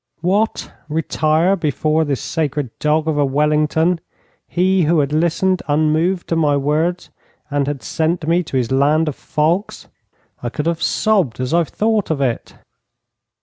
What, retire before this sacred dog of a Wellington he who had listened unmoved to my words, and had sent me to his land of fogs? I could have sobbed as I thought of it.